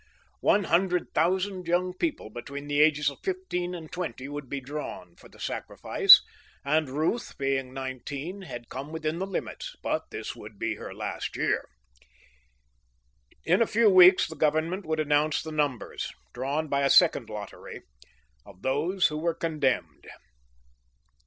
One hundred thousand young people between the ages of fifteen and twenty would be drawn for the sacrifice, and Ruth, being nineteen, had come within the limits, but this would be her last year. In a few weeks the Government would announce the numbers drawn by a second lottery of those who were condemned.